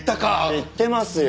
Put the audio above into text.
知ってますよ。